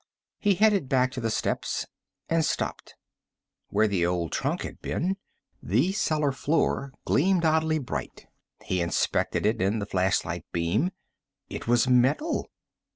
He headed back to the steps, and stopped. Where the old trunk had been, the cellar floor gleamed oddly bright. He inspected it in the flashlight beam. It was metal!